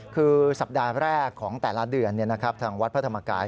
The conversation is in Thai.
คือสัปดาห์แรกของแต่ละเดือนทางวัดพระธรรมกาย